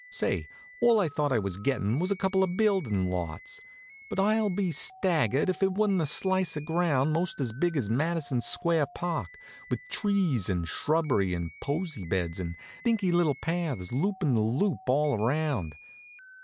Say, all I thought I was gettin' was a couple of buildin' lots; but I'll be staggered if there wa'n't a slice of ground most as big as Madison Square Park, with trees, and shrubbery, and posy beds, and dinky little paths loopin' the loop all around.